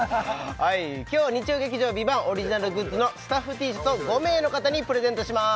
はい今日は日曜劇場「ＶＩＶＡＮＴ」オリジナルグッズのスタッフＴシャツを５名の方にプレゼントします